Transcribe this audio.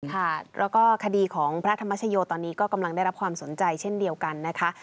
ค่ะแล้วก็คดีของพระธรรมชโยตอนนี้ก็กำลังได้รับความสนใจเช่นเดียวกันนะคะ